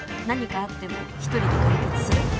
何かあっても一人で解決する。